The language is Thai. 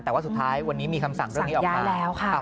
แต่ว่าสุดท้ายวันนี้มีคำสั่งเรื่องนี้ออกมาแล้วค่ะ